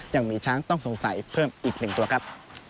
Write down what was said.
ยังมีช้างต้องสงสัยเพิ่มอีก๑ตัวครับ